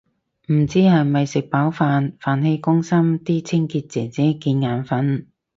唔知係咪食飽飯，飯氣攻心啲清潔姐姐見眼訓